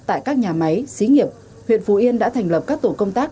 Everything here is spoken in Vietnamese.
tại các nhà máy xí nghiệp huyện phú yên đã thành lập các tổ công tác